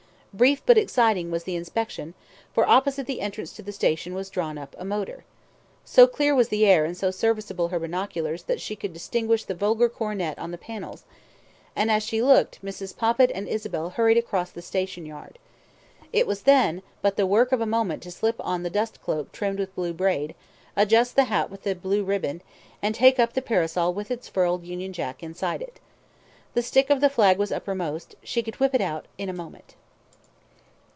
Brief but exciting was the inspection for opposite the entrance to the station was drawn up a motor. So clear was the air and so serviceable her binoculars that she could distinguish the vulgar coronet on the panels, and as she looked Mrs. Poppit and Isabel hurried across the station yard. It was then but the work of a moment to slip on the dust cloak trimmed with blue braid, adjust the hat with the blue riband, and take up the parasol with its furled Union Jack inside it. The stick of the flag was uppermost; she could whip it out in a moment.